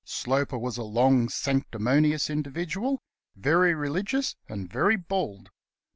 Sloper was a long, sanctimonious individual, very religious and very bald.